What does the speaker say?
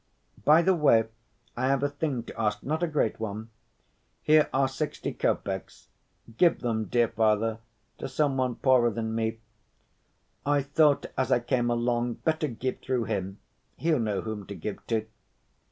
"By the way, I have a thing to ask, not a great one. Here are sixty copecks. Give them, dear Father, to some one poorer than me. I thought as I came along, better give through him. He'll know whom to give to."